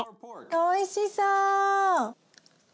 おいしそう！